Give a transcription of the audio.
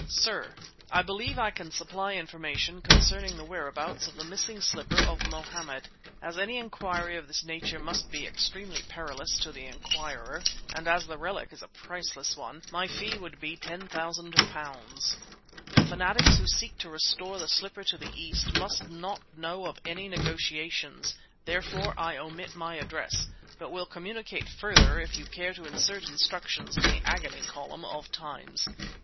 SIR— I believe I can supply information concerning the whereabouts of the missing slipper of Mohammed. As any inquiry of this nature must be extremely perilous to the inquirer and as the relic is a priceless one, my fee would be 10,000 pounds. The fanatics who seek to restore the slipper to the East must not know of any negotiations, therefore I omit my address, but will communicate further if you care to insert instructions in the agony column of Times.